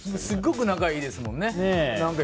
すごく仲がいいですもんね。